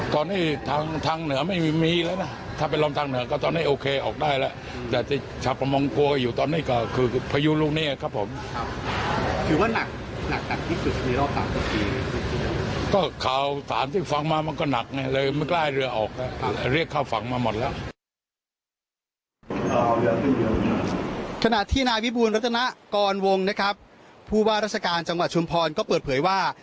ขณะที่นายวิบูรณรัตนากรวงนะครับผู้ว่าราชการจังหวัดชุมพรก็เปิดเผยว่า